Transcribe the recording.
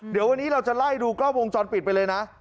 เดี๋ยววันนี้เราจะไล่ดูกล้องวงจรปิดไปเลยนะ